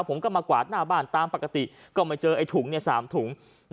ผมก็มากวาดหน้าบ้านตามปกติก็มาเจอไอ้ถุง๓ถุง